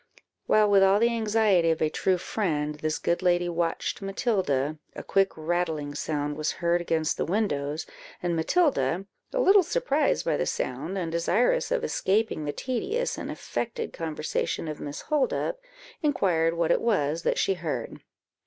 While with all the anxiety of a true friend, this good lady watched Matilda, a quick rattling sound was heard against the windows, and Matilda, a little surprised by the sound, and desirous of escaping the tedious and affected conversation of Miss Holdup, inquired what it was that she heard.